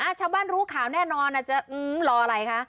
ชาวบ้านรู้ข่าวแน่นอนอาจจะรออะไรคะ